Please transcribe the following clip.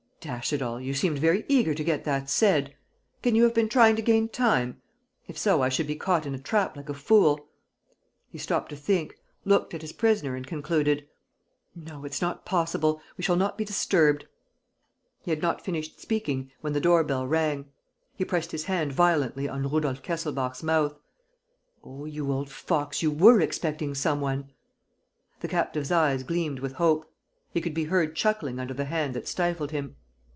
"Dash it all, you seemed very eager to get that said! Can you have been trying to gain time? If so, I should be caught in a trap like a fool. ..." He stopped to think, looked at his prisoner and concluded, "No ... it's not possible ... we shall not be disturbed ..." He had not finished speaking, when the door bell rang. He pressed his hand violently on Rudolf Kesselbach's mouth: "Oh, you old fox, you were expecting some one!" The captive's eyes gleamed with hope. He could be heard chuckling under the hand that stifled him.